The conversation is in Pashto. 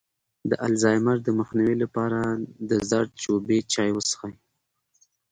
د الزایمر د مخنیوي لپاره د زردچوبې چای وڅښئ